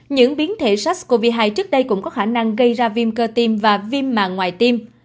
những biến thể sars cov hai trước đây cũng có khả năng gây ra viêm cơ tim và viêm mạng ngoài tim